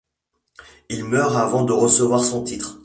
Il meurt avant de recevoir son titre.